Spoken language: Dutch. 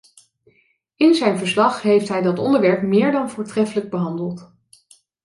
In zijn verslag heeft hij dat onderwerp meer dan voortreffelijk behandeld.